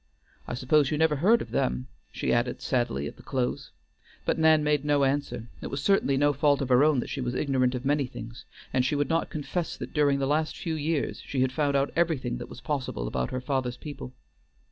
"I suppose you never heard of them," she added sadly at the close, but Nan made no answer; it was certainly no fault of her own that she was ignorant of many things, and she would not confess that during the last few years she had found out everything that was possible about her father's people.